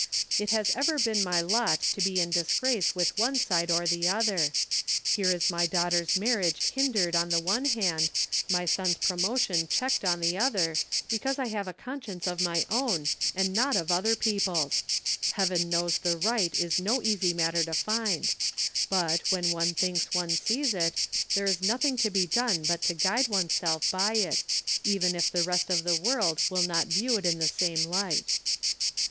It has ever been my lot to be in disgrace with one side or the other! Here is my daughter's marriage hindered on the one hand, my son's promotion checked on the other, because I have a conscience of my own, and not of other people's! Heaven knows the right is no easy matter to find; but, when one thinks one sees it, there is nothing to be done but to guide oneself by it, even if the rest of the world will not view it in the same light."